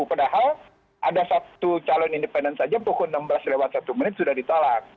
padahal ada satu calon independen saja pukul enam belas lewat satu menit sudah ditolak